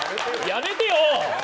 やめてよ！